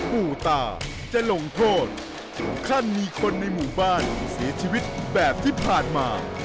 ปู่ตาจะลงโทษถึงขั้นมีคนในหมู่บ้านเสียชีวิตแบบที่ผ่านมา